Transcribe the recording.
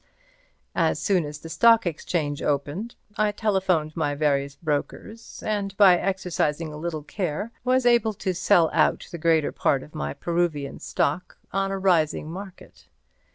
As soon as the Stock Exchange opened I telephoned my various brokers, and by exercising a little care, was able to sell out the greater part of my Peruvian stock on a rising market.